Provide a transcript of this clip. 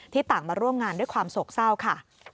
ต่างมาร่วมงานด้วยความโศกเศร้าค่ะ